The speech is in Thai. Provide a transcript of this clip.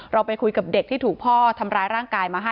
เราไปคุยกับเด็กที่ถูกพ่อทำร้ายร่างกายมาให้